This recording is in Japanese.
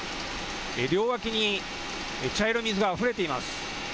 両脇に茶色い水があふれています。